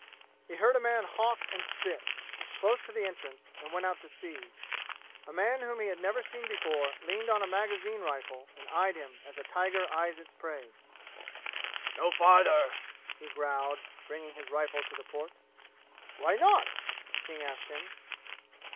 He heard a man hawk and spit, close to the entrance, and went out to see. A man whom he had never seen before leaned on a magazine rifle and eyed him as a tiger eyes its prey. "No farther!" he growled, bringing his rifle to the port. "Why not?" King asked him.